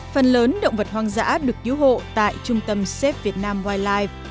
phần lớn động vật hoang dã được cứu hộ tại trung tâm xếp việt nam willife